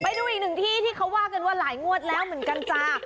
ไปดูอีกหนึ่งที่ที่เขาว่ากันว่าหลายงวดแล้วเหมือนกันจ้า